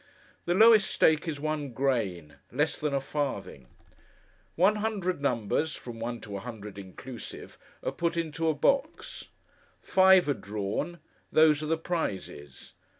The lowest stake is one grain; less than a farthing. One hundred numbers—from one to a hundred, inclusive—are put into a box. Five are drawn. Those are the prizes.